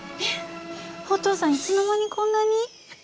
えっお父さんいつの間にこんなに？